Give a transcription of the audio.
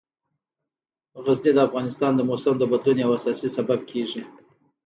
غزني د افغانستان د موسم د بدلون یو اساسي سبب کېږي.